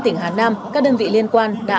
tỉnh hà nam các đơn vị liên quan đã